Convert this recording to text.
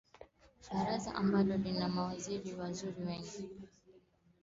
baraza ambalo lina mawaziri waziri wengi